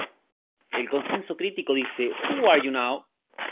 El consenso crítico dice: "Who Are You Now?